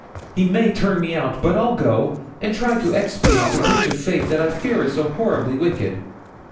He may turn me out, but I'll go, and try to expiate the breach of faith that I fear is so horribly wicked.'